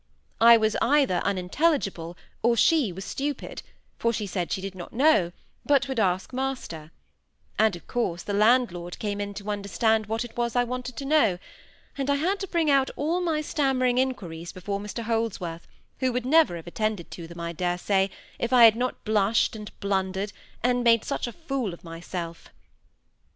I was either unintelligible or she was stupid; for she said she did not know, but would ask master; and of course the landlord came in to understand what it was I wanted to know; and I had to bring out all my stammering inquiries before Mr Holdsworth, who would never have attended to them, I dare say, if I had not blushed, and blundered, and made such a fool of myself.